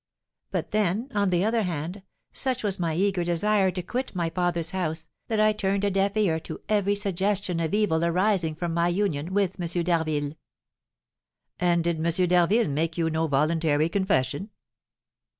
But then, on the other hand, such was my eager desire to quit my father's house, that I turned a deaf ear to every suggestion of evil arising from my union with M. d'Harville." "And did M. d'Harville make you no voluntary confession?"